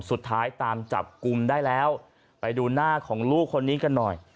สุดท้ายตามจับกลุ่มได้แล้วไปดูหน้าของลูกคนนี้กันหน่อย